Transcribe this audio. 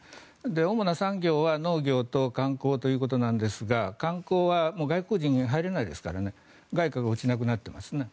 主な産業は農業と観光ということなんですが観光は外国人、入れないですから外貨が落ちなくなっています。